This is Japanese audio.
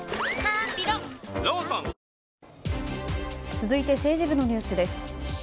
続いて政治部のニュースです。